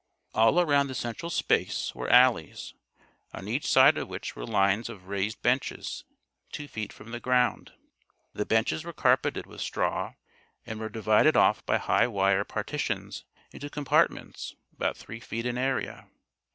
All around the central space were alleys, on each side of which were lines of raised "benches," two feet from the ground. The benches were carpeted with straw and were divided off by high wire partitions into compartments about three feet in area.